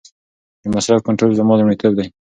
د مصرف کنټرول زما لومړیتوب دی.